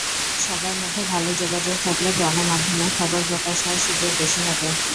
সবার মধ্যে ভালো যোগাযোগ থাকলে গণমাধ্যমে খবর প্রকাশ হওয়ার সুযোগ বেশি হবে।